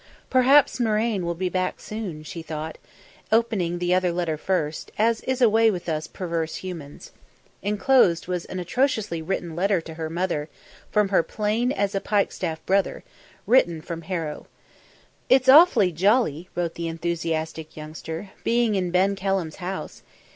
"Perhaps Marraine will be back soon," she thought, opening the other letter first, as is a way with us perverse humans. Enclosed was an atrociously written letter to her mother from her plain as a pikestaff brother, written from Harrow. "... it's awfully jolly," wrote the enthusiastic youngster, "being in Ben Kelham's house.